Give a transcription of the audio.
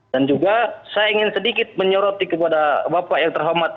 juga saya ingin sedikit menyoroti kepada bapak yang terhormat